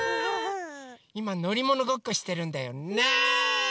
いまのりものごっこしてるんだよ。ね！